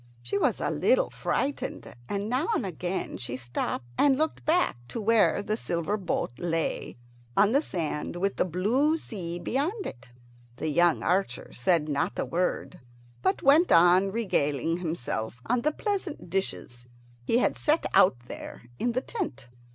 She was a little frightened, and now and again she stopped and looked back to where the silver boat lay on the sand with the blue sea beyond it. The young archer said not a word, but went on regaling himself on the pleasant dishes he had set out there in the tent.